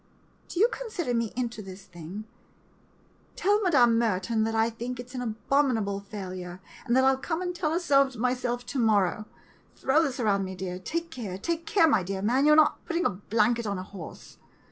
] Do you consider me into this thing ? Tell Mme. Merton that I think it an abominable failure, and that I '11 come and tell her so myself to morrow. Throw this around me, dear. Take care — take care, my dear man, you 're not putting a blanket on a horse.